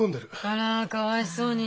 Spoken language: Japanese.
あらかわいそうに。